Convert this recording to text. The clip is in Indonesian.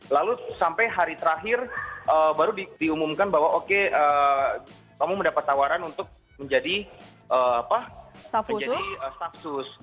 lalu sampai hari terakhir baru diumumkan bahwa oke kamu mendapat tawaran untuk menjadi staff sus